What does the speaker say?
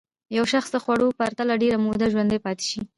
یو شخص له خوړو پرته ډېره موده ژوندی پاتې شي.